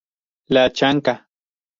La Chanca.